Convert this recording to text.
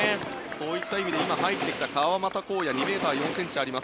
そういった意味で今入ってきた川真田紘也２ｍ４ｃｍあります。